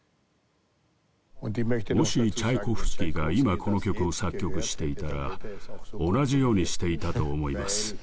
もしチャイコフスキーが今この曲を作曲していたら同じようにしていたと思います。